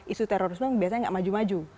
isu terorisme biasanya gak maju maju